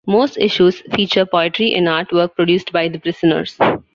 Most issues feature poetry and art work produced by the prisoners.